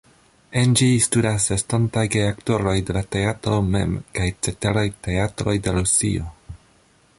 En ĝi studas estontaj geaktoroj de la teatro mem kaj ceteraj teatroj de Rusio.